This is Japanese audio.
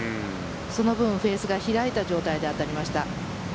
その分、フェースが開いた状態で当たりました。